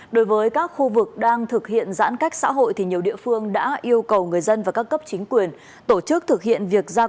đối với các khu vực đang thực hiện giãn cách xã hội thì nhiều địa phương